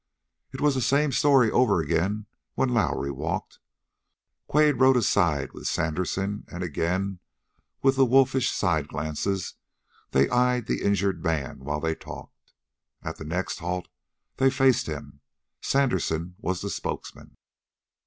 It was the same story over again when Lowrie walked. Quade rode aside with Sandersen, and again, with the wolfish side glances, they eyed the injured man, while they talked. At the next halt they faced him. Sandersen was the spokesman.